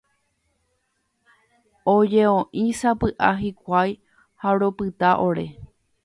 Oje'ói sapy'a hikuái ha ropyta ore.